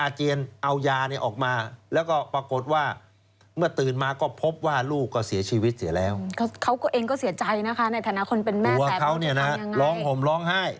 หัวเขาเนี่ยนะร้องห่มร้องไห้